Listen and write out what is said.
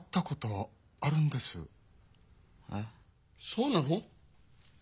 そうなの？